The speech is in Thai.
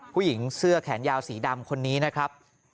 ผู้หญิงเสื้อแขนยาวสีดำคนนี้นะครับ